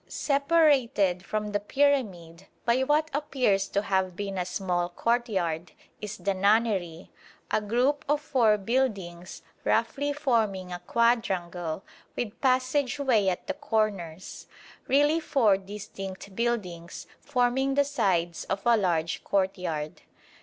Separated from the pyramid by what appears to have been a small courtyard, is the Nunnery, a group of four buildings roughly forming a quadrangle, with passage way at the corners; really four distinct buildings forming the sides of a large courtyard.